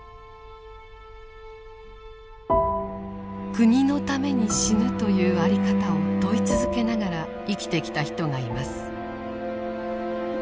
国のために死ぬという在り方を問い続けながら生きてきた人がいます。